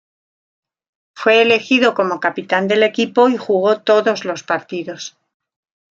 Fue elegido como capitán del equipo y jugó todos los partidos.